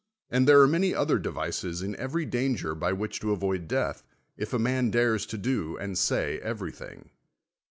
And th(^re are many other devices in every danger, by which to avoid death, if a man dares to do and say everything.